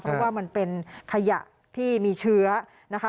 เพราะว่ามันเป็นขยะที่มีเชื้อนะคะ